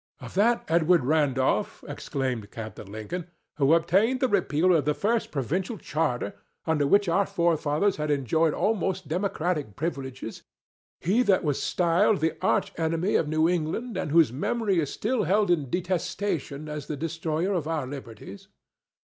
"Of that Edward Randolph," exclaimed Captain Lincoln, "who obtained the repeal of the first provincial charter, under which our forefathers had enjoyed almost democratic privileges—he that was styled the arch enemy of New England, and whose memory is still held in detestation as the destroyer of our liberties?"